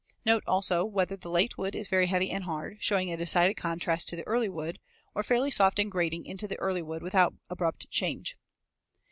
Note also whether the late wood is very heavy and hard, showing a decided contrast to the early wood, or fairly soft and grading into the early wood without abrupt change.